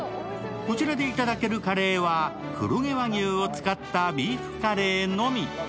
こちらでいただけるカレーは黒毛和牛を使ったビーフカレーのみ。